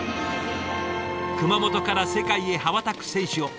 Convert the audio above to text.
熊本から世界へ羽ばたく選手を。